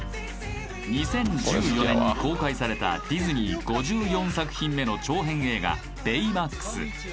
２０１４年に公開されたディズニー５４作品目の長編映画「ベイマックス」